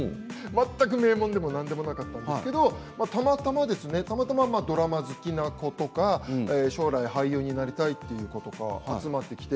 名門でも何でもなかったんですがたまたまドラマ好きの子とか将来、俳優になりたいという子が集まってきて